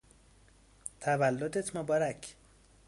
تولدت مبارک!